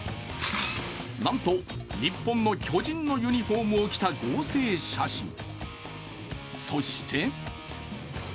なんと、日本の巨人のユニフォームを着た合成写真。